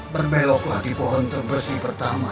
berbeloklah di pohon terbersih pertama